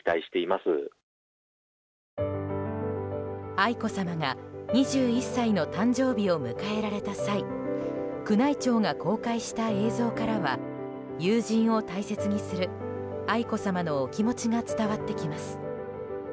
愛子さまが２１歳の誕生日を迎えられた際宮内庁が公開した映像からは友人を大切にする愛子さまのお気持ちが伝わってきます。